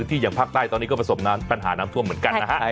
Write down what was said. ที่อย่างภาคใต้ตอนนี้ก็ผสมปัญหาน้ำท่วมเหมือนกัน